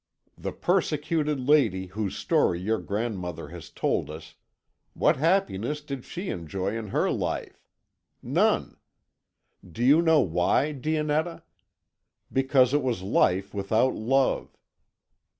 The persecuted lady whose story your grandmother has told us what happiness did she enjoy in her life? None. Do you know why, Dionetta? Because it was life without love.